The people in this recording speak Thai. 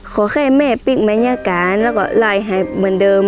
ขอแค่แม่ปิ๊กแม่งงี้การแล้วก็ไหลให้เหมือนเดิม